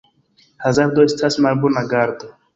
Hazardo estas malbona gardo.